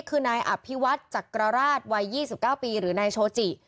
คือนายอภิวัฒน์จักรราชวัย๒๙ปีหรือนายโชจิ